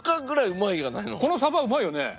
この鯖うまいよね？